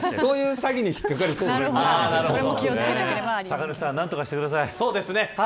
酒主さん何とかしてください。